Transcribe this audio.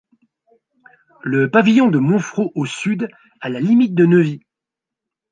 Le pavillon de Montfraut au sud, à limite de Neuvy.